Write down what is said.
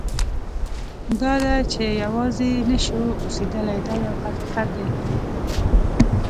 دا ده چې یوازې نه شو اوسېدلی دا یو حقیقت دی.